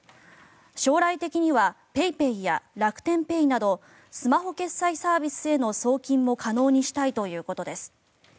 将来的にはＰａｙＰａｙや楽天ペイなどスマホ決済サービスへの送金も可能にしたいということです。